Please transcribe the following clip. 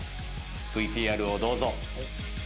ＶＴＲをどうぞ。